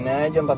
sampai jumpa lagi